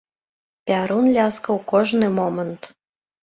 Пярун ляскаў кожны момант.